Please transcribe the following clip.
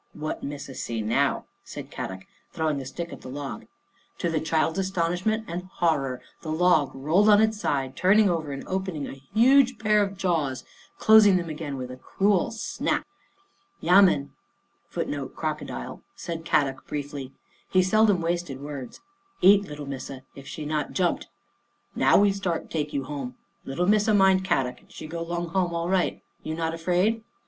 "What Missa see now," said Kadok, throw ing a stick at the log. To the child's astonish ment and horror the log rolled on its side, turned over and opened a huge pair of jaws, closing them again with a cruel snap. Jean Finds a Friend 81 " Yamin" 1 said Kadok briefly. He seldom wasted words. " Eat little Missa if she not jumped. Now we start take you home. Little Missa mind Kadok and she go long home all right. You not afraid?"